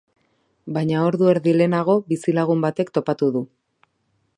Baina ordu erdi lehenago, bizilagun batek topatu du.